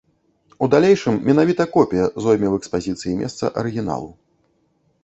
У далейшым менавіта копія зойме ў экспазіцыі месца арыгіналу.